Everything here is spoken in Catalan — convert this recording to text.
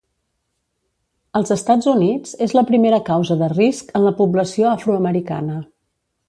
Als Estats Units és la primera causa de risc en la població afroamericana.